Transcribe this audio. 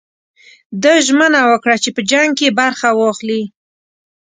ده ژمنه وکړه چې په جنګ کې برخه واخلي.